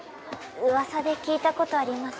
噂で聞いたことあります。